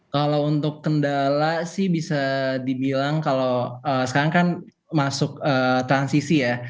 kalau untuk kendala sih bisa dibilang kalau sekarang kan masuk transisi ya